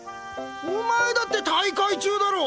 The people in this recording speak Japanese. お前だって大会中だろ！？